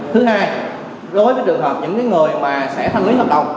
thứ hai đối với trường hợp những người mà sẽ thanh lý hợp đồng